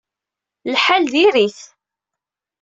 Lḥal diri-t.